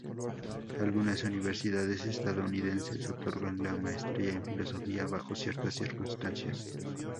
Algunas universidades estadounidenses otorgan la Maestría en Filosofía bajo ciertas circunstancias.